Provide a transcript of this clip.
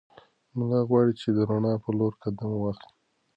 ملا غواړي چې د رڼا په لور قدم واخلي.